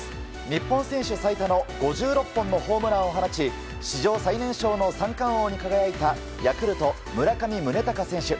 日本選手最多の５６本のホームランを放ち史上最年少の３冠王に輝いたヤクルト、村上宗隆選手。